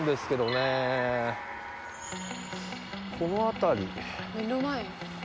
この辺り。